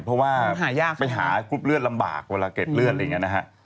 เพราะว่าไปหากรุ๊ปเลือดลำบากเวลาเกร็ดเลือดอะไรอย่างนี้นะฮะ